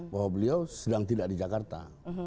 bahwa beliau sedang tidak di jakarta